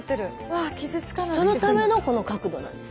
そのためのこの角度なんです。